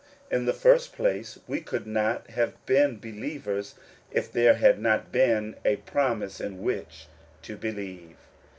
In the first place, we could not have been believers if there had not been a promise in which to believe.